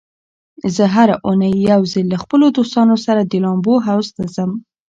زه هره اونۍ یو ځل له خپلو دوستانو سره د لامبو حوض ته ځم.